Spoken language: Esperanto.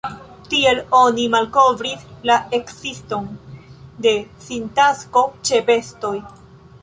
Tiel oni malkovris la ekziston de sintakso ĉe bestoj.